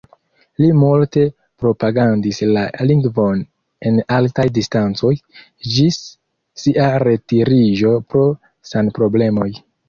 Li multe propagandis la lingvon en altaj instancoj, ĝis sia retiriĝo pro sanproblemoj.